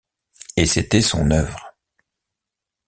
Et c’était son œuvre.